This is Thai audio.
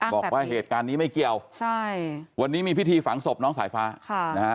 บอกว่าเหตุการณ์นี้ไม่เกี่ยวใช่วันนี้มีพิธีฝังศพน้องสายฟ้าค่ะนะฮะ